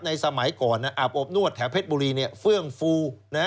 สมัยก่อนอาบอบนวดแถวเพชรบุรีเฟื่องฟู